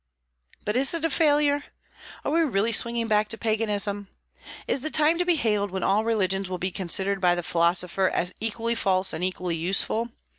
But is it a failure? Are we really swinging back to Paganism? Is the time to be hailed when all religions will be considered by the philosopher as equally false and equally useful?